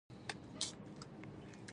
ښځمنو ته یې هغه حرکتونه کول چې دلته شرمېږم.